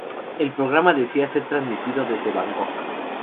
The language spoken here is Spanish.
El programa decía ser transmitido desde Bangkok.